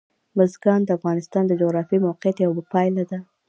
بزګان د افغانستان د جغرافیایي موقیعت یوه پایله ده.